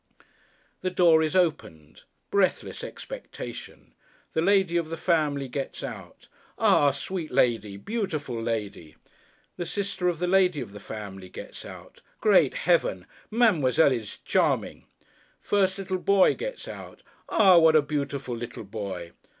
The door is opened. Breathless expectation. The lady of the family gets out. Ah sweet lady! Beautiful lady! The sister of the lady of the family gets out. Great Heaven, Ma'amselle is charming! First little boy gets out. Ah, what a beautiful little boy!